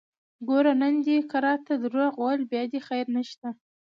ګوره نن دې که راته دروغ وويل بيا دې خير نشته!